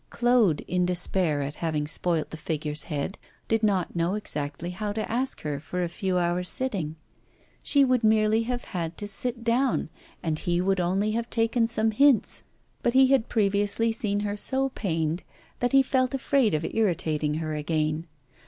Claude, in despair at having spoilt the figure's head, did not know exactly how to ask her for a few hours' sitting. She would merely have had to sit down, and he would only have taken some hints. But he had previously seen her so pained that he felt afraid of irritating her again.